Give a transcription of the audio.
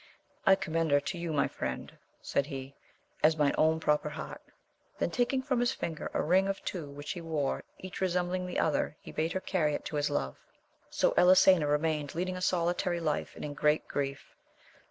I commend her to you my friend, said he, as mine own proper heart ; then taking from his finger a ring of two which he wore, each resembling the other, he bade her carry it to his love. So Elisena remained, leading a solitary life, and in great grief.